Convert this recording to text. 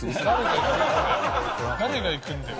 誰がいくんだよ？